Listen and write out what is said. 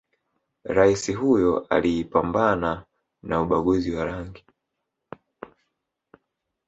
raisi huyo aliipambana na ubaguzi wa rangi